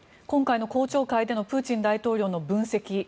今回の公聴会でのプーチン大統領の分析